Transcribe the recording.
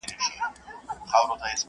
څوک چي په تېغ لوبي کوي زخمي به سینه!.